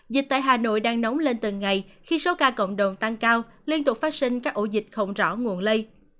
dịch tại hà nội đang nóng lên từng ngày khi số ca cộng đồng tăng cao liên tục phát sinh các ổ dịch không rõ nguồn lây